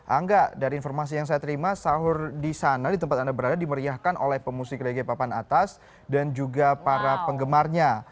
angga dari informasi yang saya terima sahur di sana di tempat anda berada dimeriahkan oleh pemusik legepapan atas dan juga para penggemarnya